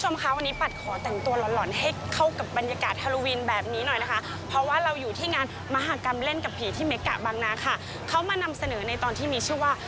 คุณผู้ชมคะวันนี้ปัดขอแต่งตัวหล่อนให้เข้ากับบรรยากาศฮาโลวินแบบนี้หน่อยนะคะเพราะว่าเราอยู่ที่งานมหากรรมเล่นกับผีที่เมกะบางนาค่ะเขามานำเสนอในตอนที่มีชื่อว่า